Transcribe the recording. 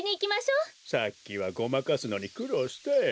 さっきはごまかすのにくろうしたよ。